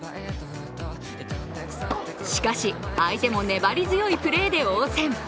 しかし、相手も粘り強いプレーで応戦。